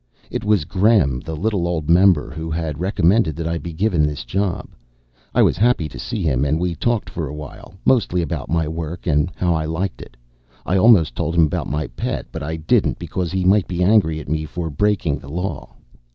It was Gremm, the little old member, who had recommended that I be given this job. I was happy to see him, and we talked for a while, mostly about my work, and how I liked it. I almost told him about my pet, but I didn't, because he might be angry at me for breaking the Law.